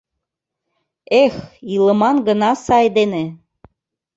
«Эх, илыман гына сай дене!..»